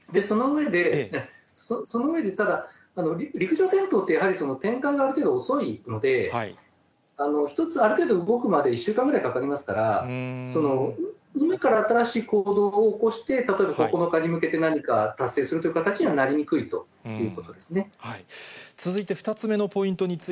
その上で、ただ、陸上戦闘ってやはり、展開がある程度遅いので、一つある程度動くまで１週間ぐらいかかりますから、今から新しい行動を起こして、例えば９日に向けて何か達成するという形にはなりにくいというこ続いて２つ目のポイントにつ